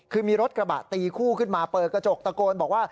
คือมีรถกระบะตีคู่ขึ้นมาเปิดกระจกตะโกนบอกว่า